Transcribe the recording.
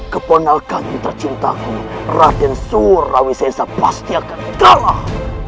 kepenalkan intercintaku raden surawi sesa pasti akan kalah